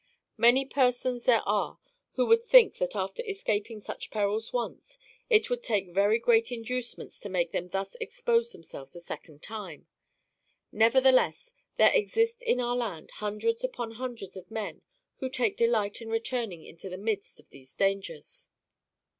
Many persons there are who would think that after escaping such perils once, it would take very great inducements to make them thus expose themselves a second time. Nevertheless, there exist in our land hundreds upon hundreds of men who take delight in returning into the midst of these dangers.